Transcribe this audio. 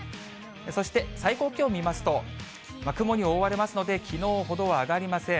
そして最高気温を見ますと、雲に覆われますので、きのうほどは上がりません。